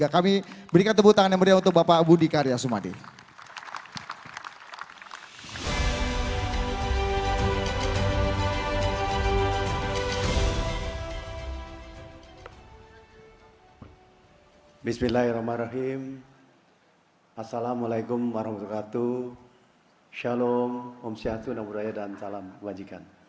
kami berikan tepuk tangan yang meriah untuk bapak budi karya sumadi